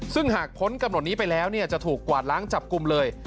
ซึ่งหากพ้นกำหนดนี้ไปแล้วจะถูกกวาดล้างจับกลุ่มเลย